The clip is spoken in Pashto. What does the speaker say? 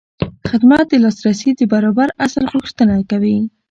خدمت د لاسرسي د برابر اصل غوښتنه کوي.